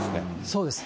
そうです。